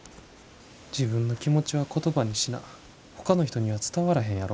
自分の気持ちは言葉にしなほかの人には伝わらへんやろ？